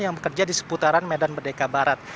yang bekerja di seputaran medan merdeka barat